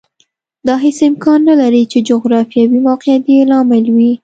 دا هېڅ امکان نه لري چې جغرافیوي موقعیت یې لامل وي